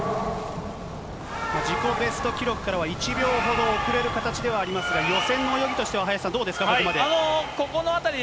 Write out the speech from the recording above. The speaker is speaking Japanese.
自己ベスト記録からは１秒ほど遅れる形ではありますが、予選の泳ぎとしては林さん、どうですか、ここまで。